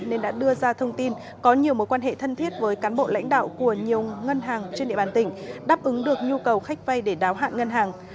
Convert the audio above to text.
nên đã đưa ra thông tin có nhiều mối quan hệ thân thiết với cán bộ lãnh đạo của nhiều ngân hàng trên địa bàn tỉnh đáp ứng được nhu cầu khách vay để đáo hạn ngân hàng